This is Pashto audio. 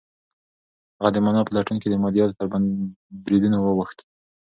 هغه د مانا په لټون کې د مادیاتو تر بریدونو واوښت.